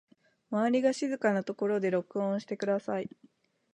周りが静かなところで録音してください